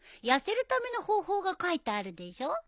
痩せるための方法が書いてあるでしょ？